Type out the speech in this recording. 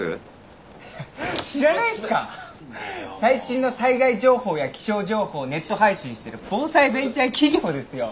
最新の災害情報や気象情報をネット配信してる防災ベンチャー企業ですよ。